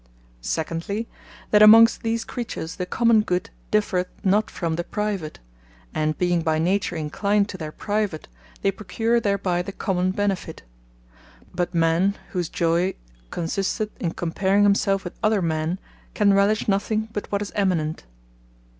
Secondly, that amongst these creatures, the Common good differeth not from the Private; and being by nature enclined to their private, they procure thereby the common benefit. But man, whose Joy consisteth in comparing himselfe with other men, can relish nothing but what is eminent.